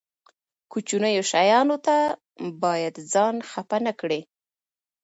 کوچنیو شیانو ته باید ځان خپه نه کړي.